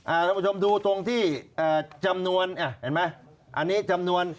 ท่านผู้ชมดูตรงที่เอ่อจำนวนอ่ะเห็นไหมอันนี้จำนวน